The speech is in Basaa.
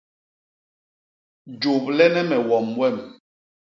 Jublene me wom wem.